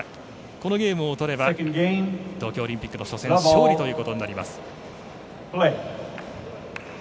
このゲームを取れば東京オリンピックの初戦勝利ということになります。